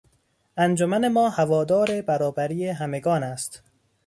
انجمن ما هوادار برابری همگان است.